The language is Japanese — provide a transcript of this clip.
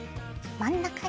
真ん中に。